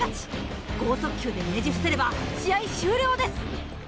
剛速球でねじ伏せれば試合終了です！